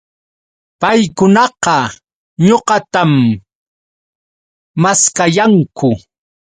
Paykunaqa ñuqatam maskayanku